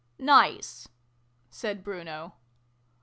" Nice," said Bruno.